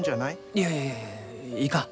いやいやいやいかん。